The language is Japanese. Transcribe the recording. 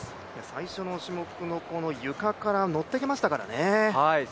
最初の種目のゆかからのってきましたからね。